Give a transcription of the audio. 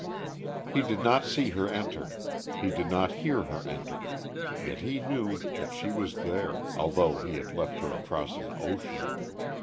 He did not see her enter. He did not hear her enter. Yet he knew that she was there, although he had left her across an ocean....